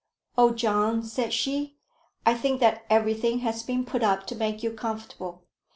"Oh, John," said she, "I think that everything has been put up to make you comfortable."